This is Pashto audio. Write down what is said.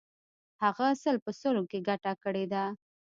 هغه سل په سلو کې ګټه کړې وه.